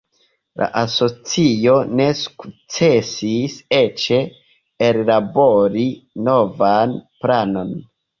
La asocio ne sukcesis eĉ ellabori novan planon.